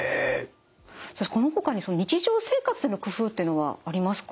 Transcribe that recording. このほかに日常生活での工夫っていうのはありますか？